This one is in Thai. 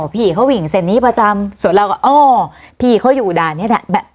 พี่เขาวิ่งเส้นนี้ประจำส่วนเราก็อ้อพี่เขาอยู่ด่านนี้แหละ